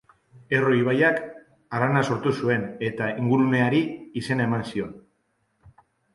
Erro ibaiak harana sortu zuen eta inguruneari izena eman zion.